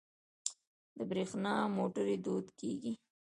د بریښنا موټرې دود کیږي.